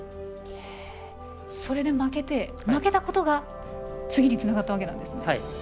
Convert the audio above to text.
それで負けたことが次につながったわけなんですね。